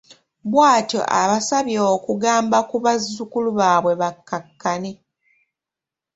Bw'atyo abasabye okugamba ku bazzukulu baabwe bakkakkane.